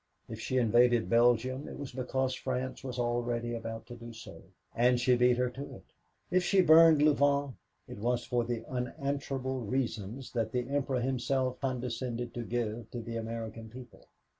If she invaded Belgium it was because France was already about to do so, and she beat her to it. If she burned Louvain, it was for the unanswerable reasons that the Emperor himself condescended to give to the American people.